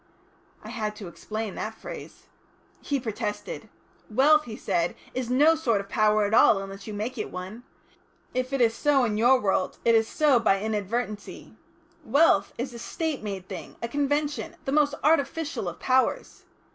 I had to explain that phrase. He protested. "Wealth," he said, "is no sort of power at all unless you make it one. If it is so in your world it is so by inadvertency. Wealth is a State made thing, a convention, the most artificial of powers.